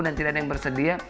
dan tidak ada yang bersedia